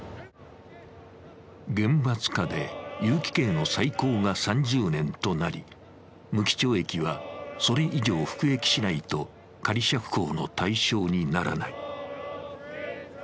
厳罰化で有期刑の最高が３０年となり、無期懲役はそれ以上服役しないと仮釈放の対象にならない。